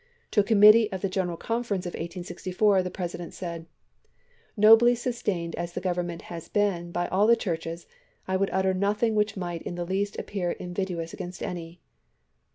To a committee of the Greneral Conference of 1864, the President said : Nobly sustained as the Government has been by all the churches, I would utter nothing which might in the least appear invidious against any.